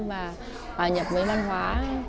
và vào nhập với văn hóa